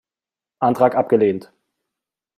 Antrag abgelehnt!